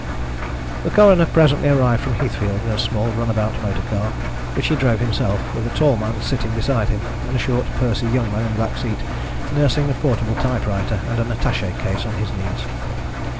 The coroner presently arrived from Heathfield in a small runabout motor car which he drove himself, with a tall man sitting beside him, and a short pursy young man in the back seat nursing a portable typewriter and an attaché case on his knees.